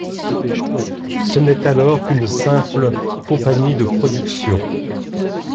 Ce n'est alors qu'une simple compagnie de production.